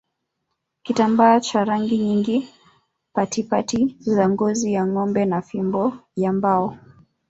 Kitambaa cha rangi nyingi patipati za ngozi ya ngombe na fimbo ya mbao